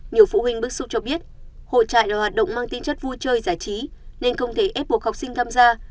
nhiều phụ huynh bức xúc cho biết hồ trại là hoạt động mang tính chất vui chơi giải trí nên không thể ép buộc học sinh tham gia